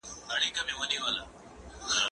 کېدای سي تکړښت ستونزي ولري؟!